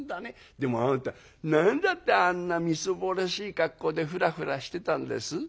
でもあなた何だってあんなみすぼらしい格好でフラフラしてたんです？」。